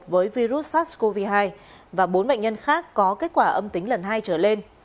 với virus sars cov hai và bốn bệnh nhân khác có kết quả âm tính lần hai trở lên